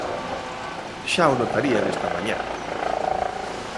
Xa o notarían esta mañá.